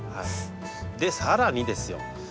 でさらにですよ